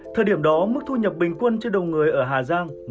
thời điểm đó mức thu nhập bình quân cho đồng người ở hà giang